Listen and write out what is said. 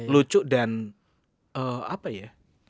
lucu dan apa ya